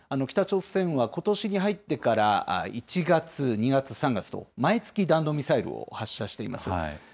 北朝鮮はことしに入ってから、１月、２月、３月と、毎月、弾道ミサイルを発射しています。